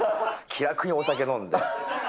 気楽にお酒を飲んで。